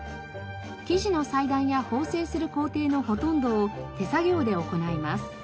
生地の裁断や縫製する工程のほとんどを手作業で行います。